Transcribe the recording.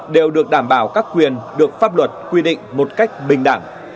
đều được đảm bảo các quyền được pháp luật quy định một cách bình đẳng